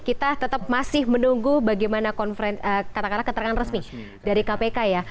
kita tetap masih menunggu bagaimana keterangan resmi dari kpk ya